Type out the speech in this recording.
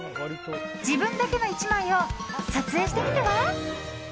自分だけの１枚を撮影してみては？